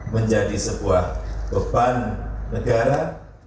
menjadi sebuah beban negara